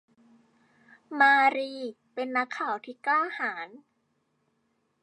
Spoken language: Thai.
มารีเป็นนักข่าวที่กล้าหาญ